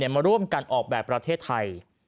มาร่วมกันออกแบบประเทศไทย